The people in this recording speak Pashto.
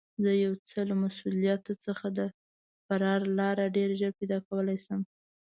زه یو څه له مسوولیته څخه د فرار لاره ډېر ژر پیدا کولای شم.